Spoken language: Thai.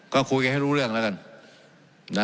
ก็คุยกันให้รู้เรื่องแล้วกัน